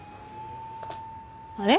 あれ？